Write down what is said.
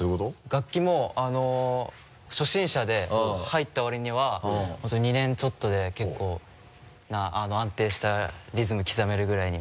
楽器も初心者で入ったわりには２年ちょっとで結構安定したリズム刻めるぐらいに。